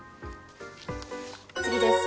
次です。